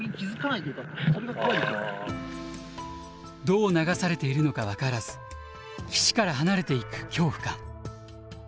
どう流されているのか分からず岸から離れていく恐怖感。